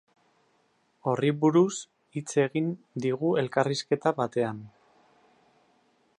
Horri buruz hitz egin digu elkarrizketa batean.